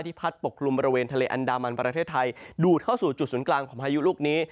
พัดปกคลุมบริเวณทะเลอันดามันประเทศไทยดูดเข้าสู่จุดศูนย์กลางของพายุลูกนี้